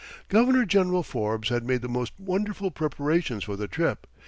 Governor General Forbes had made the most wonderful preparations for the trip.